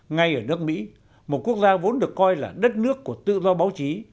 ngay ở nước mỹ một quốc gia vốn được coi là đất nước của tự do báo chí